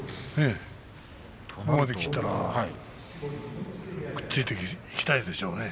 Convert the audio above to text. ここまできたらくっついていきたいでしょうね。